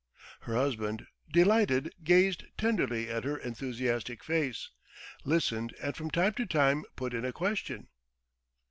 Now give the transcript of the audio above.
Her husband, delighted, gazed tenderly at her enthusiastic face, listened, and from time to time put in a question.